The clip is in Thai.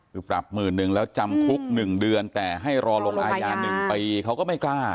คือปรับหมื่นหนึ่งแล้วจำคุก๑เดือนแต่ให้รอลงอายา๑ปีเขาก็ไม่กล้า